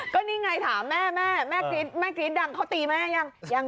ก็นี่ไงถามแม่แม่กรี๊ดดังเขาตีแม่ยัง